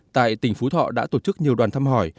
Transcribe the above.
tại tỉnh phú thọ đã tổ chức nhiều đoàn thăm hỏi